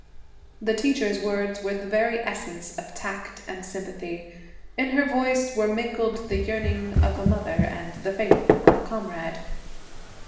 The teacher's words were the very essence of tact and sympathy. In her voice were mingled the yearning of a mother and the faith of a comrade.